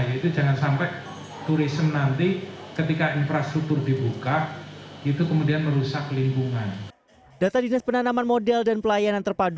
yaitu jangan sampai turisme nanti ketika infrastrukturnya